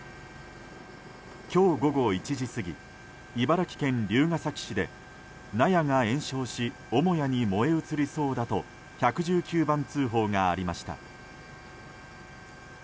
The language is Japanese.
今日午後１時過ぎ茨城県龍ケ崎市で納屋が延焼し母屋に燃え移りそうだと１１９番通報がありました。